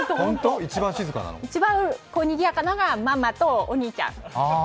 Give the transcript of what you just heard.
一番にぎやかなのがママとお兄ちゃん。